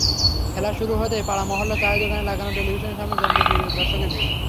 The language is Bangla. খেলা শুরু হতেই পাড়া-মহল্লার চায়ের দোকানে লাগানো টেলিভিশনের সামনে জমবে দর্শকের ভিড়।